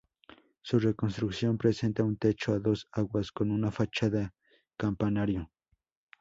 Su construcción presenta un techo a dos aguas con una fachada campanario.